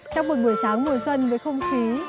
trong một buổi sáng mùa xuân với không khí